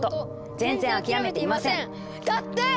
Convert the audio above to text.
「全然諦めていません」だって！